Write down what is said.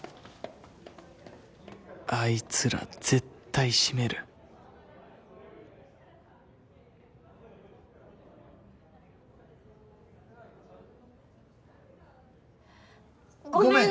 あいつら絶対シメるごめん！